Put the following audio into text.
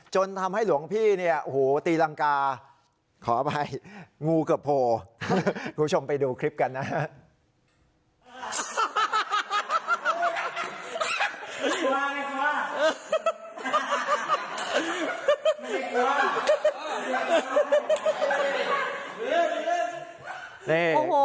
จนทำให้หลวงพี่เนี่ยโอ้โหตีรังกาขออภัยงูเกือบโพคุณผู้ชมไปดูคลิปกันนะฮะ